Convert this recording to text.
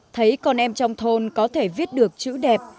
thấy con em trong thôn có thể viết được chữ đẹp